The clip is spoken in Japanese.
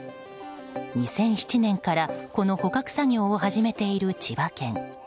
２００７年からこの捕獲作業を始めている千葉県。